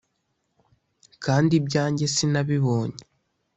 kandi ibyanjye sinabibonye